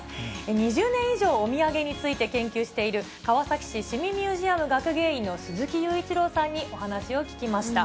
２０年以上お土産について、研究している、川崎市市民ミュージアム学芸員の鈴木勇一郎さんにお話を聞きました。